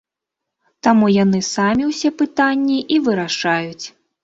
Таму яны самі ўсе пытанні і вырашаюць.